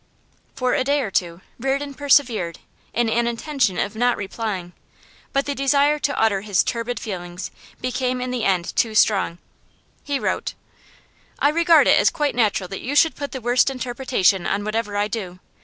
For a day or two Reardon persevered in an intention of not replying, but the desire to utter his turbid feelings became in the end too strong. He wrote: 'I regard it as quite natural that you should put the worst interpretation on whatever I do.